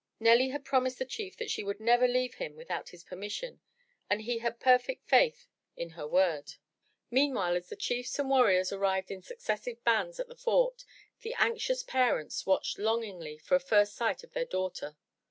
Nelly had promised the Chief that she would never leave him without his permission, and he had perfect faith in her word. Meantime, as the chiefs and warriors arrived in successive bands at the fort, the anxious parents watched longingly for a first sight of their daughter.